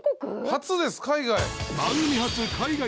初です海外。